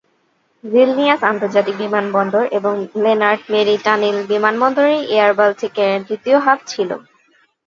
Vilnius আন্তর্জাতিক বিমানবন্দর এবং লেনার্ট মেরি টালিন বিমানবন্দরে এয়ারবাল্টিকের দ্বিতীয় হাব ছিল।